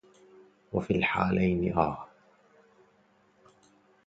وفي الحالين! آه!